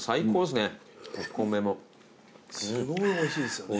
すごいおいしいですよね。